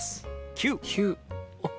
９。